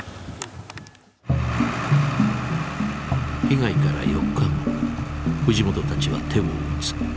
被害から４日後藤本たちは手を打つ。